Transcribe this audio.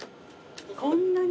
こんなに？